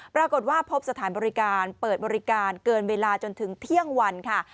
ปรากฏว่าพบสถานบริการเปิดบริการเกินเวลาจนถึงเที่ยงวันค่ะ